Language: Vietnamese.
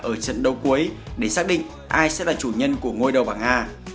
ở trận đấu cuối để xác định ai sẽ là chủ nhân của ngôi đầu bảng a